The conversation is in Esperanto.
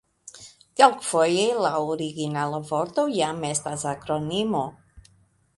Kelkfoje la originala vorto jam estas akronimo.